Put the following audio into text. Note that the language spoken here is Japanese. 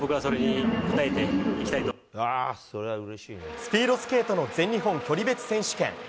スピードスケートの全日本距離別選手権。